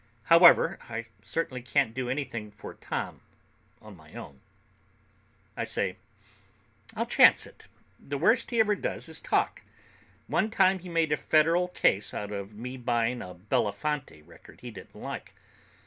However, I certainly can't do anything for Tom on my own. I say, "I'll chance it. The worst he ever does is talk. One time he made a federal case out of me buying a Belafonte record he didn't like.